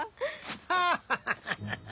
ハッハハハハ！